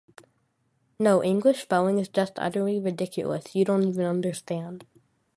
No, English spelling is just utterly ridiculous, you don't even understand.